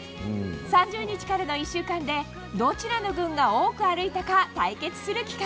３０日からの１週間でどちらの軍が多く歩いたか、対決する企画。